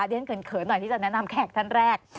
เดี๋ยวฉันเผ็นเผินหน่อยที่จะแนะนำแขกท่านแรก